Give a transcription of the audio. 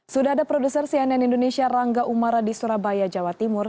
sudah ada produser cnn indonesia rangga umara di surabaya jawa timur